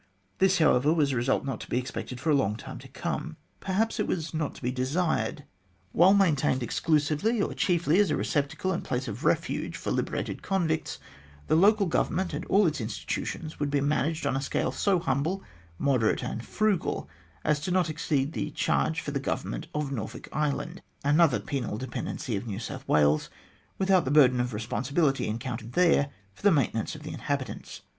This, however, was a result not to be expected for a long time to come. Perhaps it was not to be desired. While maintained exclusively or chiefly as a receptacle and place of refuge for liberated convicts, the local government and all its institutions would be managed on a scale so humble, moderate, and frugal, as not to exceed the charge for the government of Norfolk Island another penal depen dency of New South Wales without the burden of the responsibility encountered there for the maintenance of the inhabitants.